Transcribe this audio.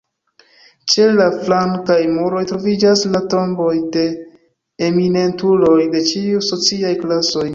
Ĉe la flankaj muroj troviĝas la tomboj de eminentuloj de ĉiuj sociaj klasoj.